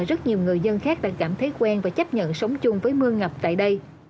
rất nhiều người dân khác đã cảm thấy quen và chấp nhận sống chung với mưa ngập tại đây